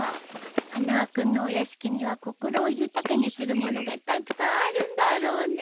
花輪君のお屋敷には心を豊かにするものがたくさんあるんだろうね。